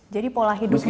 jadi pola hidupnya